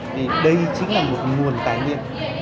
vì đây chính là một nguồn tài nguyên